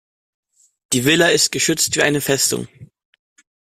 Die Villa ist geschützt wie eine Festung.